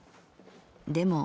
でも―――